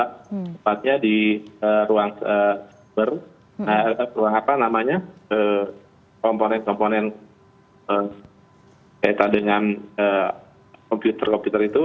tempatnya di ruang apa namanya komponen komponen kaitan dengan komputer komputer itu